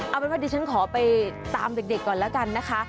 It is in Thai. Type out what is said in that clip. เอาเป็นว่าดิฉันขอไปตามเด็กก่อนแล้วกันนะคะ